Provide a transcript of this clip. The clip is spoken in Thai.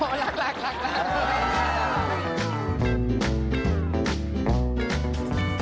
โอ้โฮรักรักรักรัก